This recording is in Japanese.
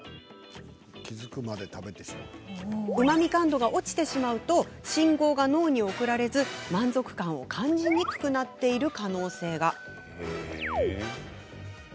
うまみ感度が落ちてしまうと信号が脳に送られず満足感を感じにくくなっている可能性が。